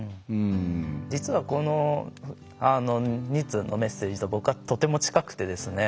実はこの２通のメッセージと僕はとても近くてですね